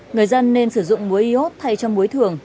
người dân nên sử dụng mối iốt thay cho mối thường